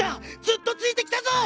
ずっとついてきたぞ！